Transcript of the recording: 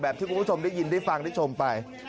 ที่คุณผู้ชมได้ยินได้ฟังได้ชมไป